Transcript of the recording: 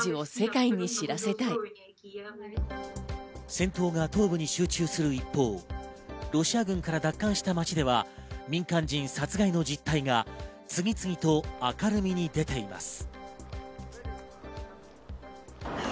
戦闘が東部に集中する一方、ロシア軍から奪還した町では民間人殺害の実態が次々と明るみに出ています。